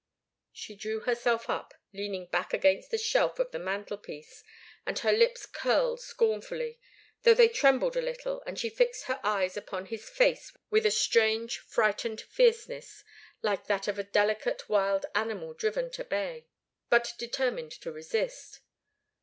She drew herself up, leaning back against the shelf of the mantelpiece, and her lips curled scornfully, though they trembled a little, and she fixed her eyes upon his face with a strange, frightened fierceness, like that of a delicate wild animal driven to bay, but determined to resist.